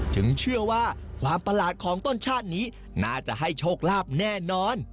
เชื่อว่าความประหลาดของต้นชาตินี้น่าจะให้โชคลาภแน่นอน